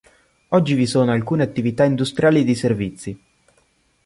Oggi vi sono alcune attività industriali e di servizi.